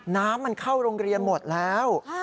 น้ำมันเข้าโรงเรียนหมดแล้ว